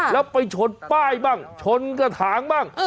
แล้วไปชนป้ายบ้างชนกระถางบ้าง